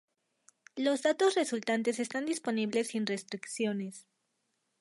Los datos resultantes están disponibles sin restricciones